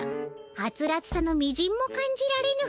はつらつさのみじんも感じられぬ。